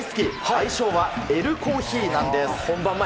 愛称はエル・コーヒーなんです。